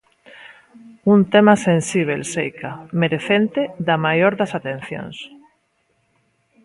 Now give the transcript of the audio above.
Un tema sensíbel seica, merecente da maior das atencións.